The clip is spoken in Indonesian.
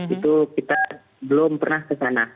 itu kita belum pernah ke sana